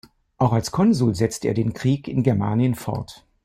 Auch als Konsul setzte er den Krieg in Germanien fort.